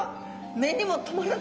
目にも留まらぬ。